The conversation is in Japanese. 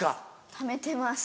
ためてます